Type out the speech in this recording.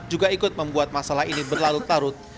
juga ikut membuat masalah ini berlarut larut